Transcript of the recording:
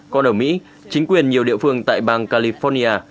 còn ở mỹ chính quyền nhiều địa phương tại bang california